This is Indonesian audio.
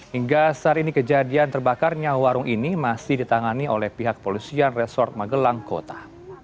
hingga saat ini kejadian terbakarnya warung ini masih ditangani oleh pihak polisian resort magelang kota